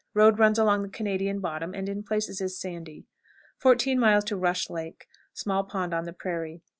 Road runs along the Canadian bottom, and in places is sandy. 14. Rush Lake. Small pond on the prairie.